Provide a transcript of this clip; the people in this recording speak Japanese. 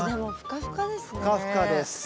ふかふかです。